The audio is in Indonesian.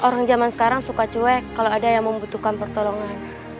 orang zaman sekarang suka cuek kalau ada yang membutuhkan pertolongan